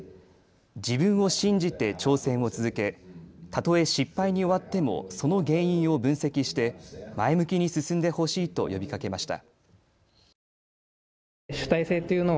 自分を信じて挑戦を続けたとえ失敗に終わってもその原因を分析して前向きに進んでほしいと呼びかけました。